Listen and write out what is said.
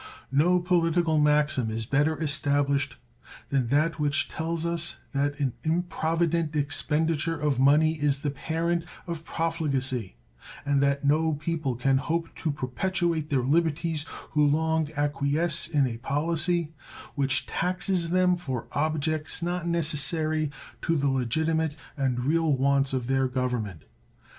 No political maxim is better established than that which tells us that an improvident expenditure of money is the parent of profligacy, and that no people can hope to perpetuate their liberties who long acquiesce in a policy which taxes them for objects not necessary to the legitimate and real wants of their Government.